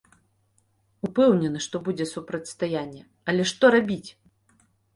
Упэўнены, што будзе супрацьстаянне, але што рабіць?